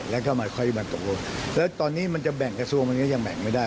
แล้วก็มาค่อยมาตกลงแล้วตอนนี้มันจะแบ่งกระทรวงมันก็ยังแบ่งไม่ได้